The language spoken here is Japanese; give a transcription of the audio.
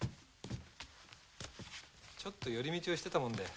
ちょっと寄り道をしてたもんで。